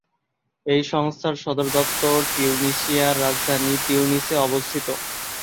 এই সংস্থার সদর দপ্তর তিউনিসিয়ার রাজধানী তিউনিসে অবস্থিত।